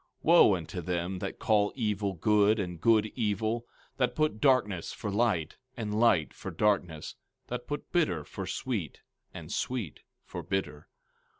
15:20 Wo unto them that call evil good, and good evil, that put darkness for light, and light for darkness, that put bitter for sweet, and sweet for bitter!